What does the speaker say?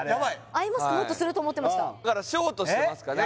アイマスクもっとすると思ってましただからショートしてますかね